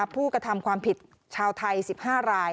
ผู้กระทำความผิดชาวไทย๑๕ราย